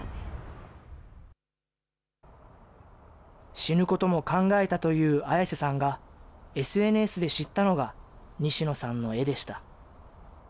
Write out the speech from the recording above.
死ぬことも考えたという絢瀬さんが、ＳＮＳで知ったのが、西野さんの絵でした。